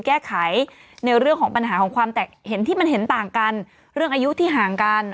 แก้ไขในเรื่องของปัญหาของความแตกเห็นที่มันเห็นต่างกันเรื่องอายุที่ห่างกัน